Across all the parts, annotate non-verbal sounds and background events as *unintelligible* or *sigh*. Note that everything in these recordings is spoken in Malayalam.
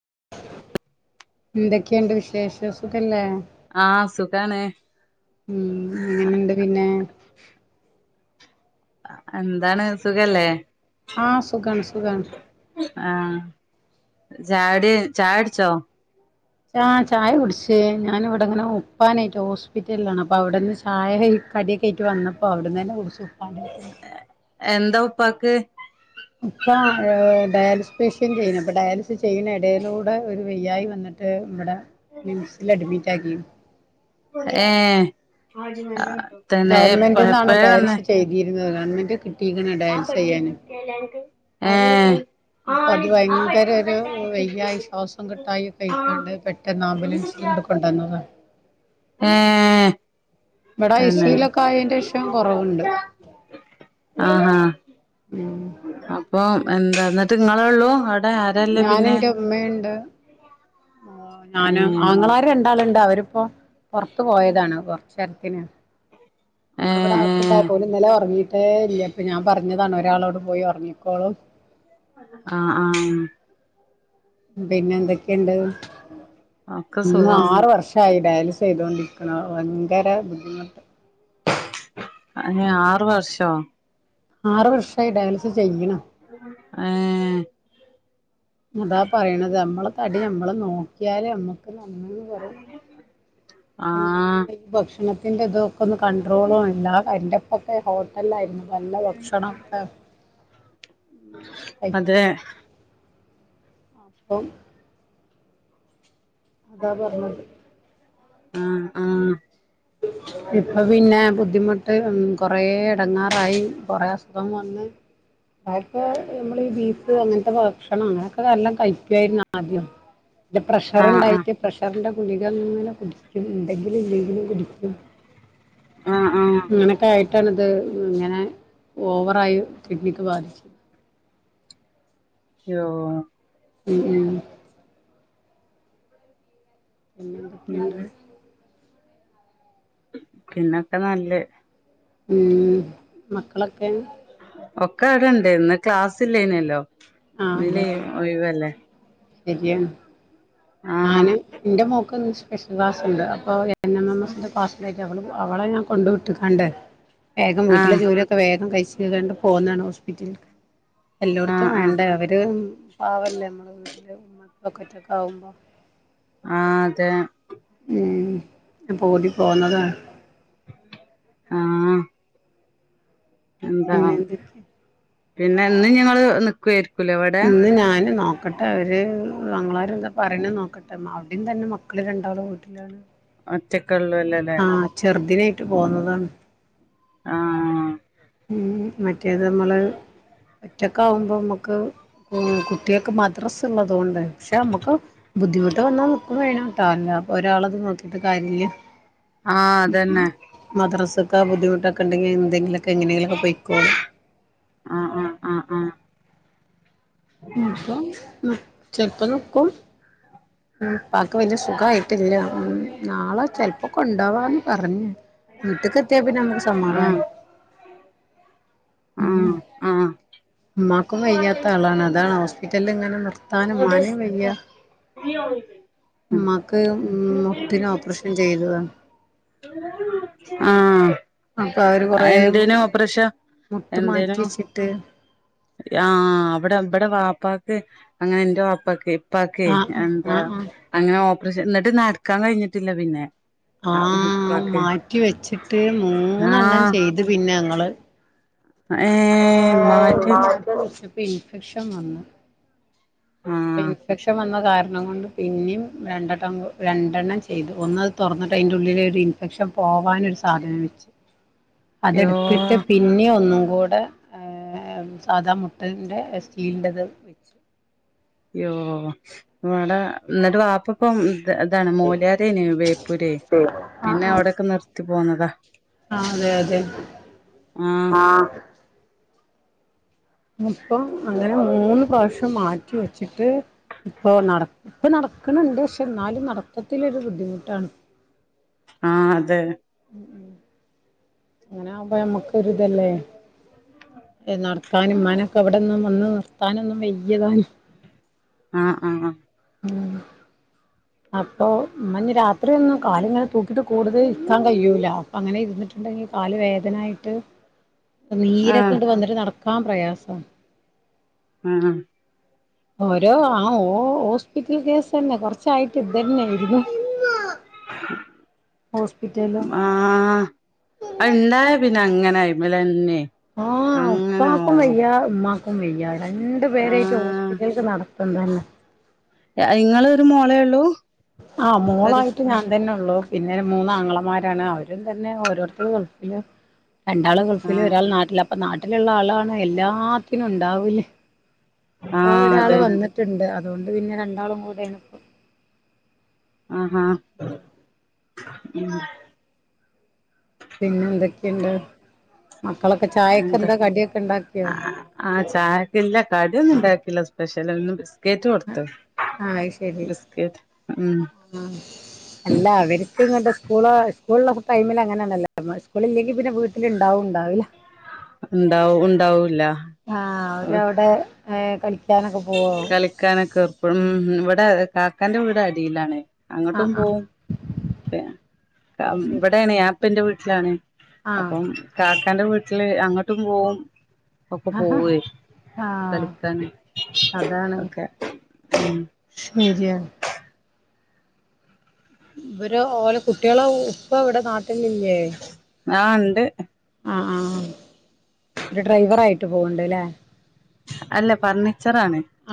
*inaudible* എന്തൊക്കെണ്ട് വിശേഷം സുഖല്ലേ ആഹ് സുഖാണ് മ് എങ്ങനെണ്ട് പിന്നെ എന്താണ് സുഖല്ലേ ആഹ് സുഖാണ് സുഖാണ് ചായൊടി ചായൊടിച്ചോ?? ആഹ് ചായ കുടിച്ച് ഞാന്വ്ടെങ്ങനെ ഉപ്പാനായിറ്റ് ഹോസ്പിറ്റല്ലാണ് അപ്പൊ അവിടെന്ന് ചായ കടിയൊക്കെ ആയിറ്റ് വന്നപ്പോ അവിടന്നന്നെ കുടിച്ചു ഉപ്പാന്റെ എന്താ ഉപ്പാക്ക് ഇപ്പ ഏഹ് ഡയാലിസ് പേഷ്യന്റെനു അപ്പൊ ഡയാലിസ് ചെയ്യ്ണെ എടേലൂടെ ഒരു വെയ്യായി വന്നി റ്റ് ഇവടെ മിംസിൽ അഡ്മിറ്റാക്കിന് *inaudible* എപ്പ ഗവൺമെന്റ്ന്നാണ് എപ്പഴന്നെ ഡയാലിസ് ചെയ്തീര്ന്നത് ഗവൺമെന്റ് ക് ഏഹ് അപ്പൊ അത് ഭയങ്കര ഒരു വെയ്യായി ശ്വാസം കിട്ടായി ആയ്ക്കാണ്ട് പെട്ടെന്ന് ആംബുലൻസ് ങ്ങട് കൊണ്ടന്നതാണ് ഏഹ് ഇവിടാ തന്നെ അയ്‌സിലൊക്കെ അയേന്റെ ഷം കൊറവുണ്ട് ആഹഹാ അപ്പൊ എന്താ എന്നിട്ട് ഇങ്ങളെ ഉള്ളൂ ആരല്ലേ ഞാന പിന്നെ എന്റെ ഇമ്മണ്ട് ഞാന് ഏഹ് ആങ്ങളാരുണ്ട് ാളണ്ട് അവരിപ്പോ പുറത്തു പോയതാണ് കുറചേരത്തിന് നമ്മളിവിടെ ഏഹ് ഏഹ് ആക്കുണ്ടായ പോലും ഇന്നലെ ഒറങ്ങിട്ട് മേ ഇല്ല ഇപ്പൊ ഞാൻ പറഞ്ഞതാണ് ഒരാളോട് പോയി ഉറങ്ങിക്കോളു ആഹ് ആഹ് പിന്നെ എന്തൊക്കെയുണ്ട് ഒക്കെ ഇന്ന് സുഖം ആറ് വർഷയി ഡയാലിസ് ചെയ്തൊണ്ടിരിക്കാണ് ഭയങ്കര ബുദ്ധിമുട്ട് അ ആറു വർഷോ? ആറ് വർഷമായി ഡയലിസ് ചെയ്യണ് ഹേ അതാ പറയണത് നമ്മള് തടി നമ്മള് നോക്കിയാല ഞമ്മക്ക് നന്നന്ന് പറയും എല്ലാ ആഹ് ഭക്ഷണം ഭക്ഷണത്തിൻ്റെ ഇതൊക്കെൊന്ന കണ്ടട്രോളും ഇല്ല എൻ്റെപ്പൊക്കെ ഹോട്ടലായിരുന്നു. നല്ല ഭക്ഷണംക്കെ അതെ അപ്പം അതാ പറഞ്ഞത് ആ.. ആ.. ഇപ്പൊ പിന്നെ ബുദ്ധിമുട്ട് മ് - കൊറെേ എടങ്ങാറായി കൊറെ അസുഖം വന്ന് അദ്യോക്കെ നമ്മൾ ഈ ബീഫ് അങ്ങനത്തെ ഭക്ഷണം അങ്ങനെയൊക്കെ എല്ലാം കഴിക്കായിരുന്നു ആദ്യം... ഇന്റെ ആഹ് ആഹ് പ്രഷറിണ്ടായിട്ട് പ്രഷറിന്റെ ഗുളികങ്ങനെ കുടിക്കും ഇൻണ്ടങ്കിലും ഇല്ലെങ്കിലും കുടിക്കു ക്കും *unintelligible* ആ.. ആ.. അതാണത് ഇങ്ങനെ ഓവറായി കിഡ്നിക്ക് ബാധിച് യോ ഉം.. ഉം.. *inaudible* പിന്നെ ഉം എന്തൊക്കെയുണ്ട്. പിന്നൊക്കെ നല്ലയ് ഉം മക്കളൊക്കെ? ഒക്കെ അവിടെ ഇണ്ട്.. ഇന്ന് ക്ലാസ് ഇല്ലേയ്നല്ലോ ആ ഇന്ന് അതെ ലി അതെ ഒയ്വല്ലേ ശരിയാണ് ഞാന് എന്റെ മോക്ക്ന്ന് സ്പെഷ്യൽ ക്ലാസ് ഉണ്ട് അപ്പൊ എൻ എം എം എസിന്റെ ക്ലാസിലേക്ക് അവ അവളെ ഞാൻ കൊണ്ട് വിട്ട്ങ്ങാണ്ട് വേഗം വീട്ടിലെ ആഹ് ജോലിയൊക്കെ വേഗം കഴിച്ചണ്ട് പോകുന്നതാണ് ഹോസ്പിറ്റൽക് എല്ലാടത്തും ആഹ് ആഹ് വേണ്ട പാവല്ലേ നമ്മെ വീട്ടില് ഉമ്മ ഒറ്റൊക്കെ ആവുമ്പോ ആ അതെ... ഉം ഓടി പോന്നതാണ്. ആഹ്.. എന്താ പിന്നെ എന്തൊക്കെ പിന്നെ എന്നന്നും ഞങ്ങള് നി ക്ക്വായിരക്കും. ഇന്ന് ഞാന് നോക്കട്ടെ അവര്. ആങ്ങളാര്‌എന്താ പറയണനോക്കട്ടെ അവിടയും തന്നെ മക്കള് രണ്ടാളുംവീട്ടിലാണ്. ഒറ്റക് ആഹ ചെറുദിനായിട്ട് പോന്നതാണ്. ആഹ ഉ മറ്റേത് നമ്മള് ഒറ്റക്കാകുമ്പം മമ ക്ക് ഉം കുട്ടികക്കെ മ മദ്ര സുള്ളതുകൊണ്ടപക്ഷെ നമ്മക്ക് ബുദ്ധിമുട്ട് വന്നാ നിക്കും വേണ ഒരാൾത് നോക്കിട്ട് കാ ആഹ് അതന്നെ മദ്രസൊക്കെ ബുദ്ധിമുട്ടൊക്കെണ്ടെങ്കി എന്തെങ്കില ക്കെ എങ്ങനെലൊക്കെ പോയ്ക്കോളും ആഹ് ആഹ് ആഹ് മ് പംമ് ചെൽപ്പം ന്ക്കും ഉപ്പാക്ക് വെല്ല്യ സുഖയിട്ടില്ലില്ല നാളെ ചെൽപ്പോ കൊണ്ടവാന്ന് പറഞ്ഞു് വീട്ട്ക്ക് എത്തിയാപ്ന്നെ മ്മക്ക് സമാധാ ആഹ് നെയ് ഉം ആഹ് ആഹ് ഉമ്മാക്കും വയ്യാത്ത ആളാണ് അതാണ് ഹോസ്പി റ്റല്ല്ങ്ങനെ നിർ താന് മാന് വെയ്യ ഉമ്മാക്ക് മുട്ട്ന് ഓപ്പറേഷൻ ചെയ്തതാ ആഹ് അപ്പൊ അവര് ആ കൊറേ എന്തേനോ ഓപ്ര മുട്ട് ഷംഎന്തേനോ? മാറ്റി വെച്ചിട്ട് ആഹ അവിടെ ഇവിടെ വ ഉപ്പക്ക് അങ്ങനെ ന്റെ വാപ്പാക്ക് ഇപ്പക്കേ ആഹ് എന്താ ആഹ് ആഹ് അങ്ങനെ ഓപ കൃഷാ ന്നെട്ട് നടക്കാൻകഴിഞ്ഞിട്ടില്ല പിന്നെ ആഹ ഇപ്പാക്ക് മാറ്റിവെച്ചിട്ട് മൂന്നെണ്ണം ആഹ് ചെയ്ത് പിന്നെ ഞങ്ങള് ഏഹ് മാറ്റി വെച്ച് പ്പാക്ക് ഇപ്പംഇൻഫെക്ഷൻ വന്ന് ആഹ് ഇൻഫെക്ഷൻ വന്ന കാരണം കൊണ്ട് പിന്നിം രണ്ടെട്ടം രണ്ടെണ്ണം ചെയ്തു ഒന്നത് തൊർന്ന്ട്ട് അഇൻ്റെ ഉള്ളിലൊരു ഇൻഫെക്ഷൻ പോവാനൊരു സാധനം വെച്ച്. *unintelligible* യ്യോ അതെടുത്ട്ട് പിന്നെ ഠ ഒന്നു കടെ മ് ഹ് സാധാ മുട്ട് ൻ്റെസ്റ്റീലിൻ്ത് വെച്ചു യ്യോ വടെ ന്നെട്ട് വാപ്പ്പം അതാണ് മോല്യാരേന് ബേപ്പൂര് പിന്നെ അവിടെൊക്കെ നിർത്തി പോന്നതാ. അഹ് അതെ അതെ ആഹ് ആ ഇപ്പം അങ്ങനെ മൂന്ന് പ്രാവശ്യം മാറ്റി വെച്ചിട്ട് ഇപ്പൊ നടക് ഇപ്പ നടക്ണ്ണ്ട് ക്ഷെ ന്നാലും നടത്തത്തിലൊരു ബുദ്ധിമുട്ടാണ്. ആഹ അതെ ങ്ങനവുമ്പോ ഞമ്മക്കൊര് തല്ലേ? ഏ നടക്കാനും ഇമ്മാനൊക്കെ ഇവിടെന്നും വന്ന് നിർത്താനൊന്നും വയ്യ താനും ആഹ ആഹ അപ്പൊ മമ്മഞ് രാത്രി ഒന്നും കാല്ങ്ങനെ തൂക്കിട്ട് കൂടുതല് ഇര്ക്കാ ൻ കയ്യുല അപ്പൊ അങ്ങനെ ഇര്ന്ന് ണ്ടെങ്കി കാല് വേദനായിട്ട് *unintelligible* നീരൊക്കെ ആഹ് ങ്ങട്ട് വന്നിട്ട് നടക്കാൻ പ്രയാസ. ആഹ ഓരോ ആ ഓ ഹോസ്പിറ്റൽ കേസന്നെ കൊറച്ചായിട്ട് ഇതന്നായിരുന്നു *unintelligible* ആഹ അഹ് അത്ണ്ടായ രപിന്നെ അങ്ങനെ അയി്മലന്നെ. ആഹ പ്പാക്കും വെയ്യ മ്മക്കും? ക്കും വയ്യ രണ്ടു പേരായിട്ട് ആഹ് ഹോസ്പിറ്റലക്ക് നടത്തം തന്നെ എ ങ്ങൾ ഒരു മോളെ ള്ളൂ? ആഹ് മോളായിട്ട് ഞാൻ തന്നെ ള്ളോ പിന്നെ മൂന്നാംങ്ങളമാരാണ് അവരും തന്നെ ഓരോരുത്തും ഗൾഫില് രണ്ടാള് ഗൾഫില് ആഹ് ഒരാൾ നാട്ടില്, അപ്പൊ നാട്ടിലുള്ള ആളാണ് എല്ലാത്തിനും ഉണ്ടാവല്. ഓ ആഹ് ഒരാള് അതെ വന്നിട്ടുണ്ട് അതുകൊണ്ട് പിന്നെ രണ്ടാളും കൂടൊണ് ഇപ്പം. ആഹ്ഹ മം പിന്നെ എന്തൊക്കെയുണ്ട്? മം എന്താ ആഹ് ചായക്കില്ല കടിയൊന്നും ഇണ്ടാക്കില്ല പക്ഷേല ഇന്ന് ബിസ്കറ്റ് കൊടുത്തു ബിസ്കറ്റ് ഉം ആ അല്ല അവർക്ക് ഇസ്കൂള് ഇസ്കൂളുള്ള ടൈമിൽ അങ്ങനണല്ലോ. ഇസ്കൂള് ഇല്ലെങ്കിൽ പിന്നെ വീട്ടിലുണ്ടാവുംണ്ടാവില്ല. ഉണ്ടാവും ഉണ്ടാവൂല്ല ആഹ് അവരവിടെ ങ് കളിക്കാനൊക്കെ പോവും. ഇപ്പം ഇവിടെ കാക്കാന്റെ വീട് അടിയിലാണ്. അങ്ങോട്ടും ആഹ് ആഹ് പോവും, അത് ശരി ഇവിടെയാണ്, ഞാൻപ്പന്റെ വീട്ടിലാണ്. ആഹ് അപ്പം കാക്കാന്റെ വീട്ടില് അങ്ങോട്ടും പോകും ഒക്കെ പോവെ ആഹ് കളിക്കാന്. അതാണ് ഒക്കെ ഉം. ശരിയാണ് ഇവര് ഓലെ കുട്ടികളെ ഉപ്പ ഇവിടെ നാട് ട്ടിലില്ലേ ആ ഉണ്ട് ആ ആ ഒരു ഡ്രൈവറായിട്ട് പോവിണ്ട് ല്ലേ? അല്ല പറഞ്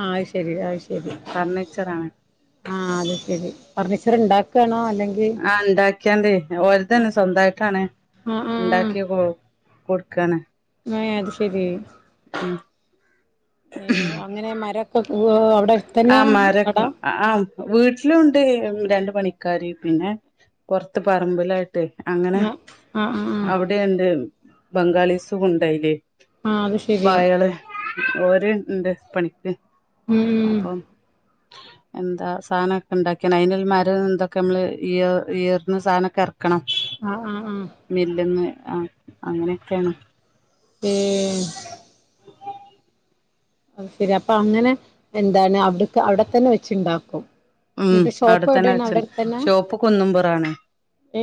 ആ അത് ശരി അത് ശരി ഫർണിച്ചറാണ് ആ അത് ശരി. ഫർണിച്ചർ ഉണ്ടാക്കാണോ അല്ലെ ആ ഉണ്ടാക്കിയാണ്ടേ ഓര്താണ് സ്വന്തായിട്ടാണ് ആഹ് ഉണ്ടാക്കി കൊ കൊടുക്കാണ്. ആ അത് ശരി ഏ അങ്ങനെ മര ആ മര ആഹ് വീട്ടിലുണ്ട് രണ്ട് പണിക്കാര് പിന്നെ പുറത്ത് പറമ്പിലായി ട്ട് അങ്ങനെ ആഹ് ആഹ് ആഹ് ആഹ് അവിടെയ്ണ്ട് ബംഗാളിസ് ഉണ്ടയില്ല്. ആ അത് ശരി. ഓര് ഉണ്ട് പണിക്ക് ഊം അപ്പം *inaudible* എന്താ സാനൊക്കെ ഉണ്ടാക്കിണ് അയിന്ൽ മരം എന്തൊക്കെ നമ്മള് ഈർ ഈർന്ന് സാനൊക്കെ എർ ക്കണം ആഹ് ആഹ് ആഹ് മില്ലിന്ന് ആ അങ്ങനെയൊക്കെയാണ്. ഏ അത് ശരി അപ്പൊ അങ്ങനെ എന്താണ്? അവിടക്ക് അവിടെത്തന്നെ വെച്ചുണ്ടാക്കും? ഉം എന്നിട്ട് ഷോപ്പ് അവിടെത്തന്നെ എവിടെയാണ് വെച്, അവിടെ അടുത്തന്നെ ഷോപ്പ് കുന്നുംപുറാണ്. ഏ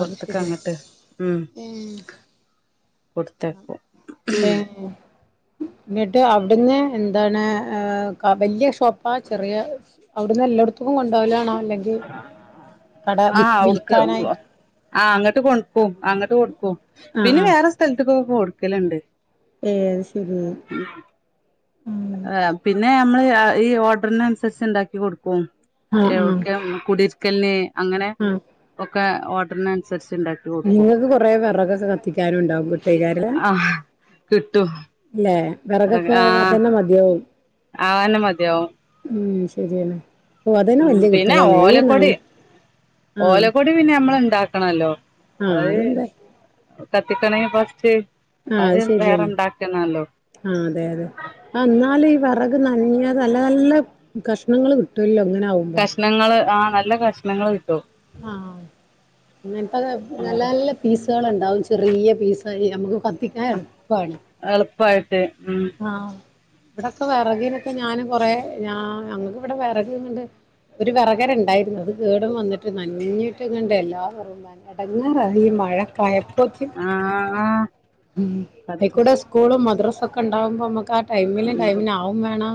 അത് ശരി അങ്ങട്ട് ഉം ഏ കൊടുത്തയക്കും എന്നിട്ട് അവിടുന്ന് എന്താണ് ങ ക വലിയ ഷോപ്പാ ചെറിയ അവിടുന്ന് എല്ലടത്തും കൊണ്ടോവലാണോ അല്ലെങ്കിൽ കട ആ വിൽ അവിടുക്ക് വിൽക്കാനായിട്ട് ആ അങ്ങട്ട് കൊടുക്കും അങ്ങട്ട് കൊടുക്കും ആ പിന്നെ ആ വേറെ സ്ഥലത്തക്കൊക്കെ കൊടുക്കലുണ്ട്. ഏ ശരി ആ പിന്നെ നമ്മള് ആ ഈ ഓർഡറിനനുസരിച്ച് ഉണ്ടാക്കി കൊടുക്കും. ആ ആ എവിടക്ക് കുടരിക്കലിന് അങ്ങനെ ആ ഒക്കെ ഓഡറിന് അനുസരിച്ച് നിങ്ങക്ക് കൊറെ വിറകൊക്കെ കത്തിക്കാനുണ്ടാവും *unintelligible* ആ കിട്ടും. ഇല്ലേ? വിറകൊക്കെ ആ അതന്നെ മതിയാവും ആന്നെ മതിയാവും ഉം ശരിയാണ്. ഓ അതന്നെ ഉം വല്യ പിന്ന കിട്ടലാണ് ഈ നന ഓലക്കൊടി, ഓലക്കൊടി പിന്നെ നമ്മൾ ഇണ്ടാക്കണല്ലോ ആ അതന്തായി കത്തിക്കണെ ഫസ്റ്റ് ആ അത് വേറെ അഅ്ശരിയാണ്. ഇണ്ടാക്കണല്ലോ ആ അതെ അതെ ആ ന്നാലും ഈ പറ നൻഞ്ഞത് നല്ല നല്ല കഷ്ണങ്ങൾ കിട്ടല്ലോ ഇങ്ങനെ കഷ്ണങ്ങള് ആ നല്ല കഷ്ണങ്ങള് കിട്ടും ആഹ ഇങ്ങൻതൊക്കെ നല്ല നല്ല പീസാള് ഉണ്ടാവും ചെറിയ പീസായി- നമുക്ക് കത്തിക്കാൻ എളുപ്പാണ് എളുപ്പായിട്ട് ഉം ആ ഇവിടൊക്കെ വിറകിനൊക്കെ ഞാനും കൊറേ ഞാ ഞങ്ങക്ക് ഇവിടെ വിറകിന്നട്ട് ഒരു വിറകരണ്ടായിരുന്നു. അത് കേടും വന്നിട്ട് നന്ഞ്ഞിട്ട് ങ്ങണ്ട് എല്ലാ വറകും നനഞ്ഞ്. എടങ്ങാറായി ഈ മഴ ആ ഐക്കൂടെ സ്കൂളും മദ്രസൊക്കെ ക്ക ണ്ടാവുമ്പോ നമ്മുക്ക് ആ ടൈമിലും ടൈമിനാവും വേണം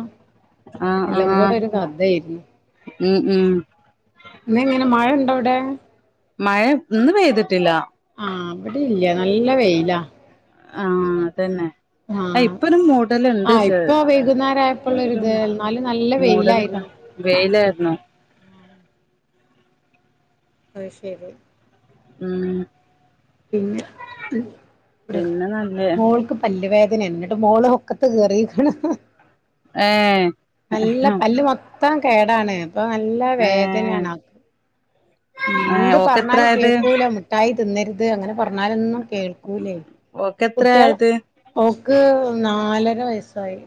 ആ ആ എല്ലം ആ കൂടെ ഒരു കഥ ഏരുന്നു. ഉം ഉം ഇന്ന് എങ്ങനെ മഴണ്ടോടേ. മഴ ഇന്ന് പെയ്തിട്ടില്ല ആഹ ഇവിടില്യ. നല്ല വെയിലാ. ആഹ അതന്നെ. ആ ആഹ് ഇപ്പൊ ഒരു മൂഡലുണ്ട് ആഹ് ഇപ്പൊ വൈകുന്നേരം ചെർതായിട്ട്. ഒരു ആയപ്പോള്ളൊരിത് എന്നാലും നല്ല മൂടലൊക്ക വെയിലായിരുന്നു വെയിലായിരുന്നൊ. അഅ് ശരി. ഉം പിന്നെ പിന്നെ നല്ല മോൾക്ക് പല്ല് വേദന. നെന്നിട്ട് മോള് ഒക്കത്ത് കേറിക്ക്ണ്. ഏ നല്ല പല്ല് മൊത്തം കേടാണ്. പ്പൊ നല്ല ഏഹ് വേദനാണ് ആക്. ഉം ഏഹ് എന്ത് പറഞ്ഞാലും ഓക്കെത്രായത് കേക്കൂല മിഠായി തിന്നരുത്, അങ്ങനെ. പറഞ്ഞാലൊന്നും കേൾക്കൂലേയ്. കുട്യാള് ഓക്കെത്രായത് ഓക്ക് നാലര. വയസ്സായി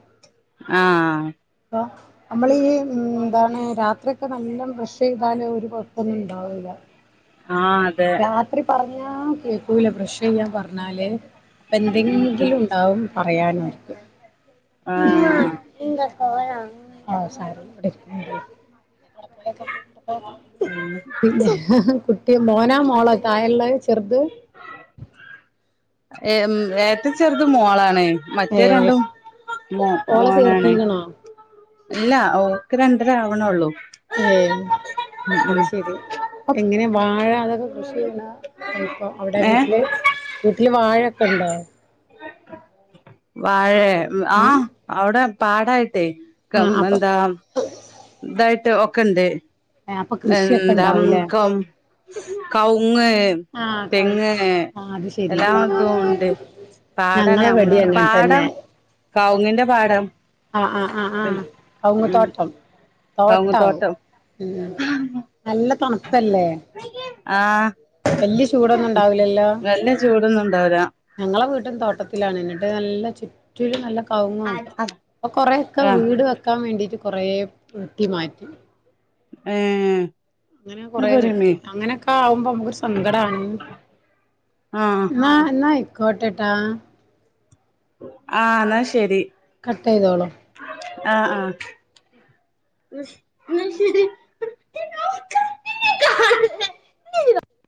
ആഹ നമ്മളീഈ എന്താണ് രാത്രിഒക്കെ നല്ലം ബ്രഷ് ചെയ്താല് ഒരു പൊത്തൊന്നും ണ്ടാവൂല ആഹ അതെ പറഞ്ഞാ കേക്കൂല ബ്രഷ് ചെയ്യാൻ പറഞ്ഞാല് അപ്പൊ എന്തെങ്കിലും ണ്ടാവും. പറയാനായിട്ട്. ഇമ്മാ ആഹ് ഇങ്ക ഓ ആസറും ഇവിടണ്ടല്ലോവിടെ പോയക്കെ. പിന്നെ കുട്ടിയ മോനാ മോള തായള്ളത് ചെറുത്. ഏ ഏറ്റും ചെറുത് മോളാണ്. മറ്റേ ഏ രണ്ടും ഓളെ മോനാണ്. ചേർത്തീക്കണോ ഇല്ല, ഓൾക്ക് രണ്ടര ആവണള്ളൂ. ഏ അത് ശരി, ഉം എങ്ങനെ വാഴ അതൊക്കെ കൃഷി ചെയണ. ഇപ്പൊ അവിടെ ഏഹ് വീട്ടില്, വീട്ടില് വാഴൊക്കെ ഇണ്ടാ. വാഴേ.. ആഹ്, അവിടെ പാടായിട്ടേയ് ആ കം അപ്പൊ എന്താ.. ഇതായിട്ട് ഒക്കെണ്ട്. അപ്പൊ കൃഷിയൊക്കെ എന്തം ഉണ്ടാവൂലേ കൗ കൗ.. മുങ്, ആ കൗ തെങ്ങ് ആ അത് ശരി എല്ലാതും ഉണ്ട്. പാടനെ നമ്മള് ഞങ്ങളെവിടേം അങ്ങനെ പാടം, തന്നെ കൗങ്ങിന്റെ പാടം. ആഹ് ആഹ് ആഹ് ആഹ് കൗങ്ങ് ഉം തോട്ടം. കവുങ്ങ് തോട്ടാവും. തോട്ടം നല്ല നണുപ്പല്ലേ. ആഹ് വല്യ ചൂടൊന്നും ഇണ്ടാവൂലല്ലോ. നല്ല ചൂടൊന്നും ഉണ്ടാവൂല ഞങ്ങളെ വീട്ടും തോട്ടത്തിലാണ് ന്നിട്ട് നല്ല ചെ റ്റിലും നല്ല കൗങ്ങും. പ്പൊ കൊറെക്കെ ആഹ് വീട് വെക്കാൻ വേണ്ടിട്ട് കുറേ വെട്ടി മാറ്റി. ഏഹ് അങ്ങനെ ഇങ്ങട് കൊറെ വെട്ടി പോരമ്മി അങ്ങനെയൊക്കെ ആവുമ്പോ നമുക്ക്. സങ്കടാണ് ആഹ് എന്നാ എന്നാ ആയിക്കോട്ടെ ട്ടാ. ആ എന്നാ ശരി. കട്ട് ചെയ്തോളൂ. ആഹ് ആഹ് എന്നാ ശരി. *unintelligible*